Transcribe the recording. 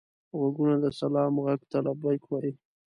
غوږونه د سلام غږ ته لبیک وايي